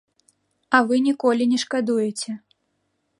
А вы ніколі не шкадуеце.